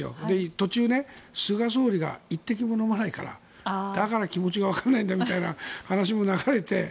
途中で菅総理が１滴も飲まないからだから気持ちがわからないんだろうみたいな話も流れて。